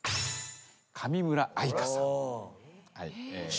上村愛香さん。